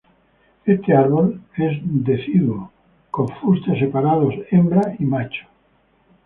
Este árbol, es deciduo, con fustes separados hembra y macho.